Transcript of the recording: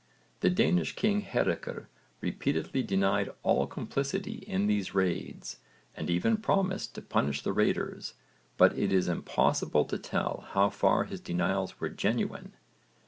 The Danish king Hárekr repeatedly denied all complicity in these raids and even promised to punish the raiders, but it is impossible to tell how far his denials were genuine.